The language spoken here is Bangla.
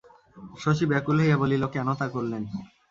শশী ব্যাকুল হইয়া বলিল, কেন তা করলেন?